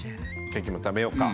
ケーキも食べようか。